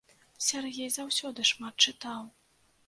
Сяргей заўсёды шмат чытаў.